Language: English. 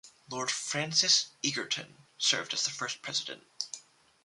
Lord Francis Egerton served as the first President.